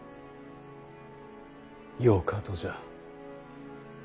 よかとじゃ。